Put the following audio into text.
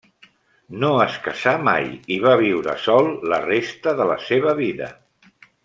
No es casà mai i va viure sol la resta de la seva vida.